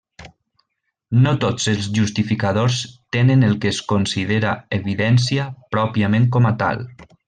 No tots els justificadors tenen el que es considera evidència pròpiament com a tal.